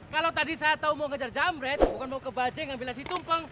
kalau tadi saya tahu mau kejar jemret bukan mau ke bajeng ambil nasi tumpeng